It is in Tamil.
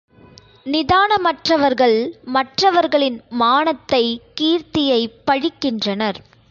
நிதானமற்றவர்கள், மற்றவர்களின் மானத்தை, கீர்த்தியைப் பழிக்கின்றனர்.